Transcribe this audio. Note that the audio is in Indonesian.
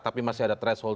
tapi masih ada threshold